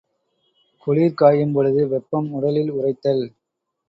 குளிர்காயும்பொழுது வெப்பம் உடலில் உறைத்தல்.